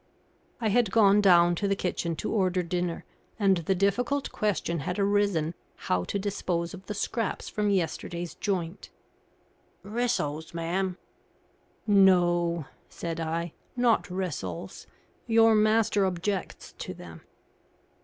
I had gone down to the kitchen to order dinner, and the difficult question had arisen how to dispose of the scraps from yesterday's joint. "Rissoles, ma'am?" "No," said I, "not rissoles. Your master objects to them."